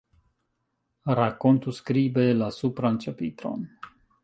Rakontu skribe la supran ĉapitron.